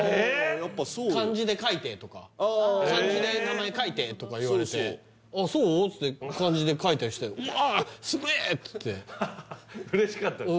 やっぱそう「漢字で書いて」とか「漢字で名前書いて」とか言われて「ああそう？」っつって漢字で書いたりしたよ「うわあすげえ！」っつって嬉しかったですか？